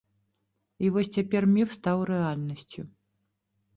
І вось цяпер міф стаў рэальнасцю.